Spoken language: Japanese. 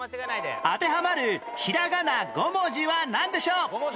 当てはまるひらがな５文字はなんでしょう？